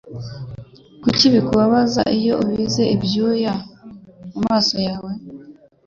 Kuki bikubabaza iyo ubize ibyuya mumaso yawe?